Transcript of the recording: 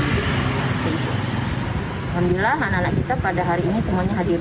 alhamdulillah anak anak kita pada hari ini semuanya hadir